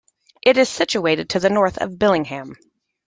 It is situated to the north of Billingham.